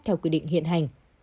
theo quy định hiện hành